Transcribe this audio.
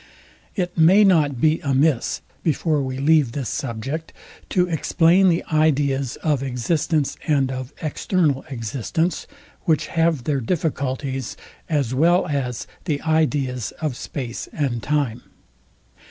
It may not be amiss, before we leave this subject, to explain the ideas of existence and of external existence; which have their difficulties, as well as the ideas of space and time.